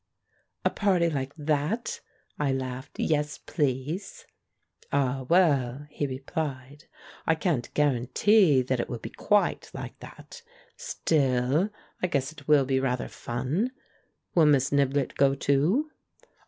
"A party like that?" I laughed. "Yes, please!" "Ah, well," he replied, "I can't guarantee that it will be quite like that. Still, I guess it will be rather fun. Will Miss Niblett go, too?"